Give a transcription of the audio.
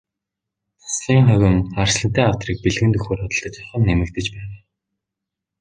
Цацлын хувин, арслантай авдрыг гарын бэлгэнд өгөхөөр худалдаж авах нь нэмэгдэж байгаа.